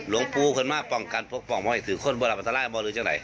ลงปู๔๘ภาพผ่องกันพบภาพบ้าอีกถึงคนบ่าราบันทรายบนหรือไง